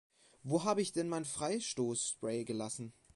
Wo habe ich denn mein Freistoßspray gelassen?